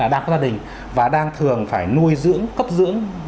đang có gia đình và đang thường phải nuôi dưỡng cấp dưỡng